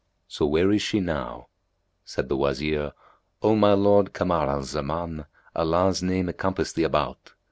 So where is she now?" Said the Wazir, "O my lord Kamar al Zaman, Allah's name encompass thee about!